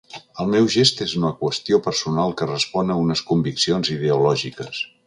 El meu gest és una qüestió personal que respon a unes conviccions ideològiques.